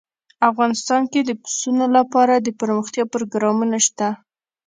افغانستان کې د پسونو لپاره دپرمختیا پروګرامونه شته.